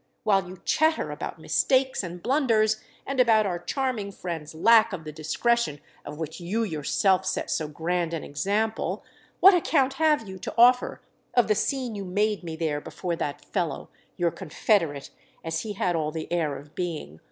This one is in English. While you chatter about mistakes and blunders, and about our charming friend's lack of the discretion of which you yourself set so grand an example, what account have you to offer of the scene you made me there before that fellow—your confederate, as he had all the air of being!